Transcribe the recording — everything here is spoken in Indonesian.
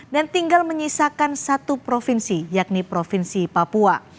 dan tinggal menyisakan satu provinsi yakni provinsi papua